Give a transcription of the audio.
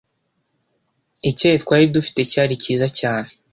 Icyayi twari dufite cyari cyiza cyane.